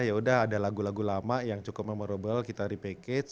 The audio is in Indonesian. ya udah ada lagu lagu lama yang cukup memorable kita repackage